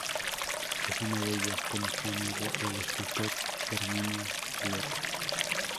En una de ellas, con su amigo el escultor Erminio Blotta.